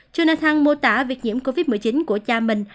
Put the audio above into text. jonathan mô tả việc nhiễm covid một mươi chín của cha mình